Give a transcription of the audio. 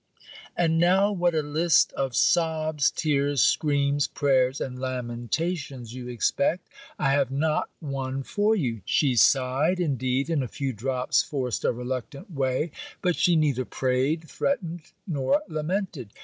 And now what a list of sobs, tears, screams, prayers, and lamentations you expect! I have not one for you. She sighed, indeed, and a few drops forced a reluctant way; but she neither prayed, threatened, nor lamented.